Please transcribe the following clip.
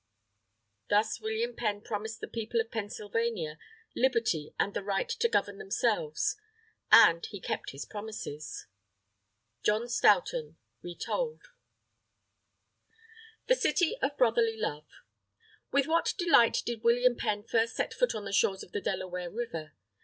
Thus William Penn promised the People of Pennsylvania, Liberty and the right to govern themselves. And he kept his promises. John Stoughton (Retold) THE CITY OF BROTHERLY LOVE With what delight did William Penn first set foot on the shore of the Delaware River.